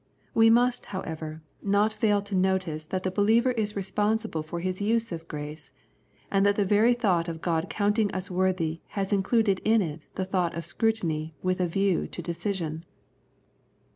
We must, however, not fail to notice that the believer is responsible for his use of grace, and that the very thought of God counting us worthy has included in it the thought of scrutiny with a view to decision.